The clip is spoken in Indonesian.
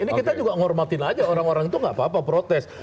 ini kita juga hormatin aja orang orang itu gak apa apa protes